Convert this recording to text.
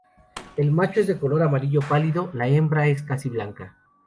El macho es de color amarillo pálido; la hembra es casi blanca.